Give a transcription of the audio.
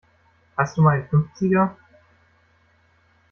Hast du mal einen Fünfziger?